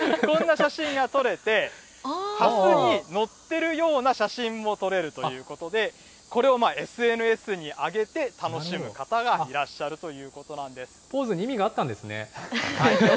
こんな写真が撮れて、はすに乗ってるような写真も撮れるということで、これをＳＮＳに上げて楽しむ方がいらっしゃるというこポーズに意味があったんです